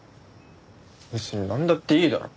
別になんだっていいだろ。